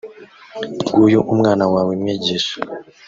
nguyu umwana wawe; mwigishwa